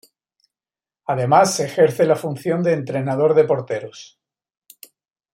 Además ejerce la función de entrenador de porteros.